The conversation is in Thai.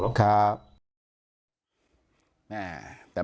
ซึ่งไม่ได้เจอกันบ่อย